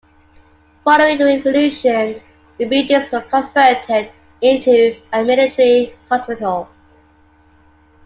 Following the Revolution, the buildings were converted into a military hospital.